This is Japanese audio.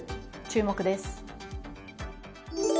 注目です。